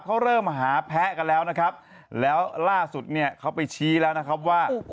เขาเริ่มหาแพ้กันแล้วนะครับแล้วล่าสุดเนี่ยเขาไปชี้แล้วนะครับว่า